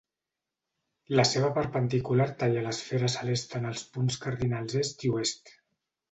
La seva perpendicular talla l'esfera celeste en els punts cardinals est i oest.